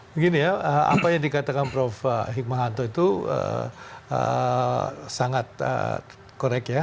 begini ya apa yang dikatakan prof hikmahanto itu sangat korek ya